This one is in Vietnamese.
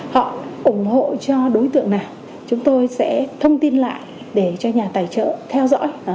họ ủng hộ cho đối tượng này chúng tôi sẽ thông tin lại để cho nhà tài trợ theo dõi